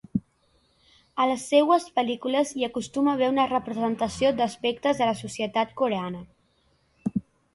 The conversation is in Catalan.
A les seues pel·lícules hi acostuma a haver una representació d'aspectes de la societat coreana.